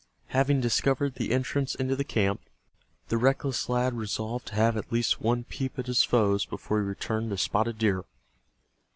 Having discovered the entrance into the camp, the reckless lad resolved to have at least one peep at his foes before he returned to Spotted Deer.